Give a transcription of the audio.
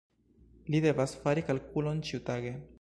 Li devas fari kalkulon ĉiutage.